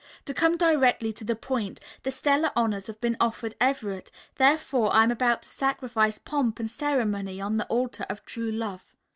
To come directly to the point, the stellar honors have been offered Everett, therefore I am about to sacrifice pomp and ceremony on the altar of true love.